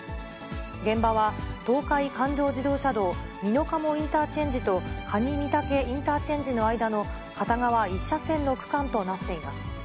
現場は東海環状自動車道美濃加茂インターチェンジと可児御嵩インターチェンジの間の片側１車線の区間となっています。